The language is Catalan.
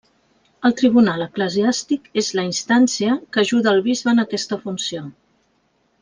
El tribunal eclesiàstic és la instància que ajuda el bisbe en aquesta funció.